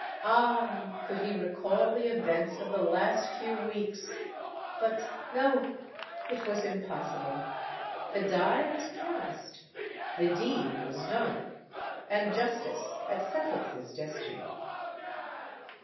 Ah! could he recall the events of the last few weeks!—But, no—it was impossible:—the die was cast—the deed was done—and justice had settled his destiny!